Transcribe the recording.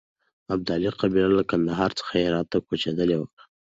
ابدالي قبیله له کندهار څخه هرات ته کوچېدلې وه.